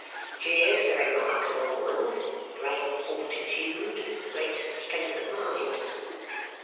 'She is a remarkable woman. Great fortitude great strength of mind.